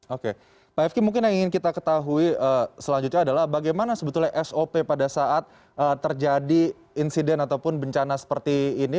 oke pak fk mungkin yang ingin kita ketahui selanjutnya adalah bagaimana sebetulnya sop pada saat terjadi insiden ataupun bencana seperti ini